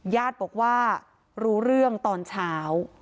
ญาติบอกว่ารู้เรื่องตอนเช้า